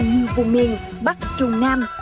như vùng miền bắc trung nam